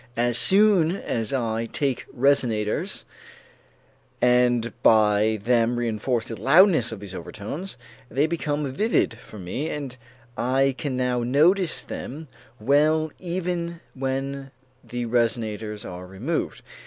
As soon as I take resonators and by them reënforce the loudness of those overtones, they become vivid for me and I can now notice them well even when the resonators are removed.